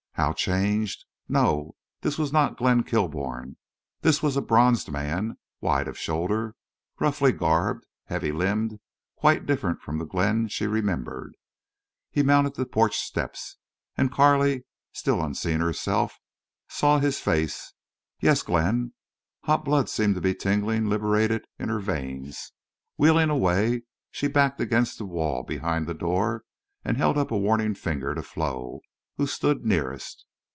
How changed! No—this was not Glenn Kilbourne. This was a bronzed man, wide of shoulder, roughly garbed, heavy limbed, quite different from the Glenn she remembered. He mounted the porch steps. And Carley, still unseen herself, saw his face. Yes—Glenn! Hot blood seemed to be tingling liberated in her veins. Wheeling away, she backed against the wall behind the door and held up a warning finger to Flo, who stood nearest.